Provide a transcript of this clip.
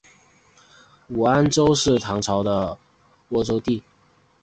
武安州在唐朝是沃州地。